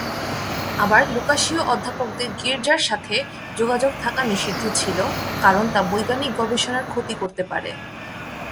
আবার লুকাসীয় অধ্যাপকদের গির্জার সাথে যোগাযোগ থাকা নিষিদ্ধ ছিল, কারণ তা বৈজ্ঞানিক গবেষণার ক্ষতি করতে পারে।